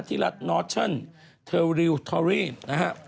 ที่รัฐนอร์เชิลเทอริลทอรี่นะฮะ